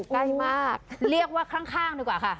ใกล้มากเรียกว่าข้างดีกว่าค่ะ